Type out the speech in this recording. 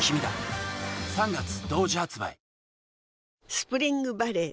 スプリングバレー